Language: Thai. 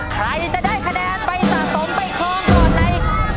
ใครจะได้คะแนนไปสะสมไปครองก่อนใน